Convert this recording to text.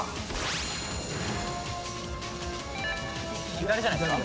左じゃないっすか？